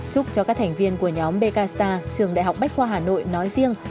chúc cho các thành viên của nhóm bkta trường đại học bách khoa hà nội nói riêng